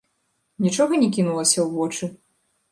Нічога не кінулася ў вочы?